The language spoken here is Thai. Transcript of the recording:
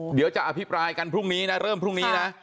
เดี๋ยวจะอภิปรายกันพรุ่งนี้นะเริ่มพรุ่งนี้นะ